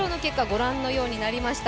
ご覧のようになりました。